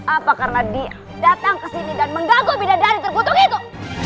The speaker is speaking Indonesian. apa karena dia datang ke sini dan menggaguh bidah dari tergutuk itu